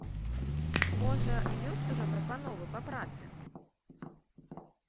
Можа, ёсць ужо прапановы па працы?